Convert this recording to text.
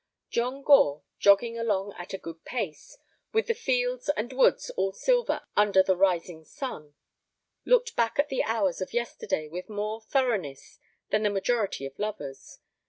John Gore, jogging along at a good pace, with the fields and woods all silver under the rising sun, looked back at the hours of yesterday with more thoroughness than the majority of lovers.